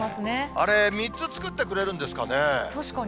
あれ、３つ作ってくれるんで確かに。